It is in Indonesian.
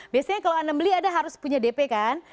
biasanya kalau anda beli anda harus punya dp kan